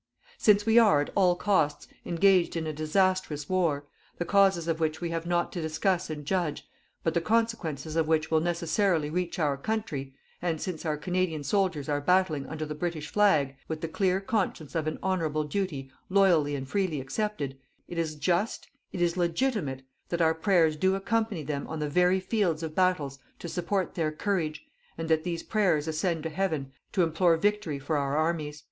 "Since we are, at all costs, engaged in a disastrous war, the causes of which we have not to discuss and judge, but the consequences of which will necessarily reach our country, and since our Canadian soldiers are battling under the British flag, with the clear conscience of an honourable duty loyally and freely accepted, it is just, it is legitimate that our prayers do accompany them on the very fields of battles to support their courage, and that these prayers ascend to Heaven to implore victory for our armies."